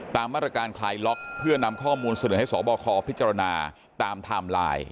ตามมาตรการคลายล็อกเพื่อนำข้อมูลเสนอให้สบคพิจารณาตามไทม์ไลน์